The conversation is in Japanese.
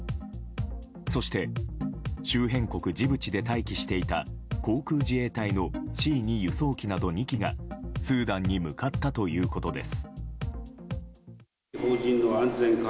そして周辺国ジブチで待機していた航空自衛隊のＣ２輸送機など２機がスーダンに向かったということです。